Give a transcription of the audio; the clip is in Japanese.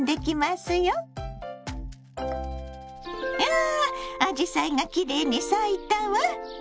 わあアジサイがきれいに咲いたわ。